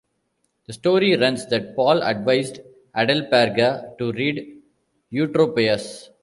The story runs that Paul advised Adelperga to read Eutropius.